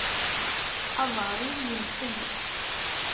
Aḍar-iw yenfel.